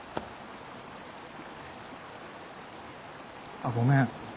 あごめん。